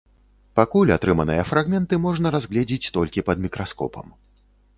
Пакуль атрыманыя фрагменты можна разгледзець толькі пад мікраскопам.